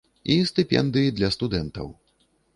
І стыпендыі для студэнтаў.